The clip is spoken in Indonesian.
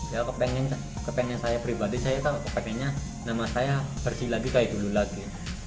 ya kepengen saya pribadi saya pengennya nama saya pergi lagi kayak dulu lagi